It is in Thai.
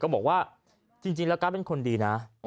บอกว่าจริงแล้วการ์ดเป็นคนดีนะ